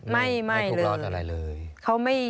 ไม่ไม่เลย